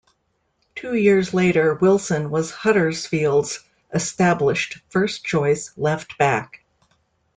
Two years later, Wilson was Huddersfield's established, first-choice, left back.